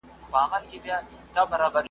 د قاتل تر شا د غره په څېر ولاړ وي `